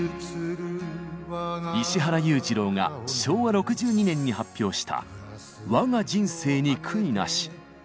石原裕次郎が昭和６２年に発表した「わが人生に悔いなし」。